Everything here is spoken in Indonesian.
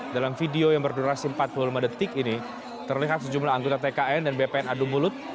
dalam video yang berdurasi empat puluh lima detik ini terlihat sejumlah anggota tkn dan bpn adu mulut